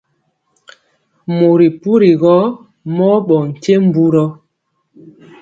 Mori puri gɔ mɔɔ ɓɔ nkye mburɔ.